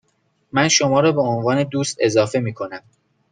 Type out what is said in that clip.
من شما را به عنوان دوست اضافه می کنم.